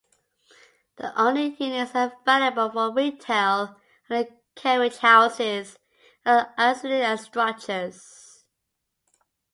The only units available for rental are in carriage houses and other ancillary structures.